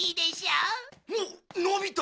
おっのび太。